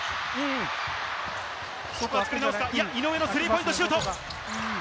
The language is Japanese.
作り直すか、井上のスリーポイントシュート。